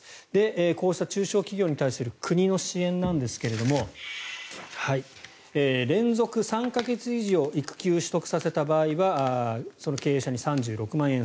こうした中小企業に対する国の支援なんですが連続３か月以上育休を取得させた場合はその経営者に最大３６万円。